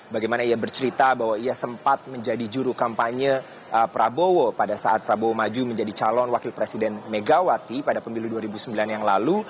bagaimana ia bercerita bahwa ia sempat menjadi juru kampanye prabowo pada saat prabowo maju menjadi calon wakil presiden megawati pada pemilu dua ribu sembilan yang lalu